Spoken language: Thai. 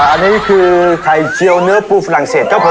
อันนี้คือไข่เจียวเนื้อปูฝรั่งเศสครับผม